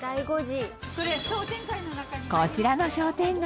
こちらの商店街。